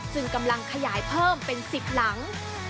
ซึ่งกำลังขยายเพิ่มเป็น๑๐หลัง